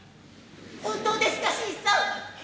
本当ですか新さん。